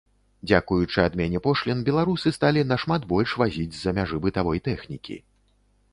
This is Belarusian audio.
Дзякуючы адмене пошлін беларусы сталі нашмат больш вазіць з-за мяжы бытавой тэхнікі.